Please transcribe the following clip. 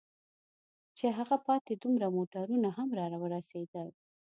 چې هغه پاتې دوه موټرونه هم را ورسېدل.